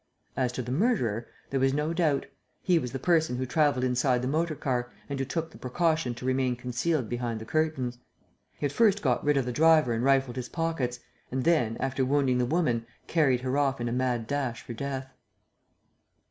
As to the murderer, there was no doubt: he was the person who travelled inside the motor car and who took the precaution to remain concealed behind the curtains. He had first got rid of the driver and rifled his pockets and then, after wounding the woman, carried her off in a mad dash for death.